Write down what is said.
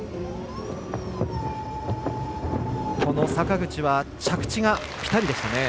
坂口は着地がピタリでしたね。